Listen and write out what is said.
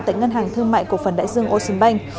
tại ngân hàng thương mại cổ phần đại dương ô sơn banh